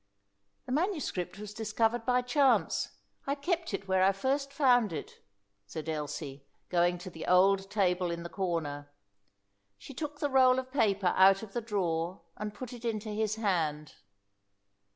"The manuscript was discovered by chance. I keep it where I first found it," said Elsie, going to the old table in the corner. She took the roll of paper out of the drawer and put it into his hand.